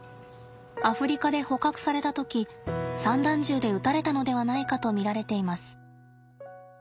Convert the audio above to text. アフリカで捕獲された時散弾銃で撃たれたのではないかと見られています。